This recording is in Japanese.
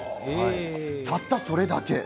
たったそれだけ。